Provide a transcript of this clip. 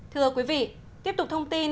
thưa quý vị tiếp tục thông tin